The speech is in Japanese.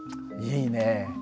いいね。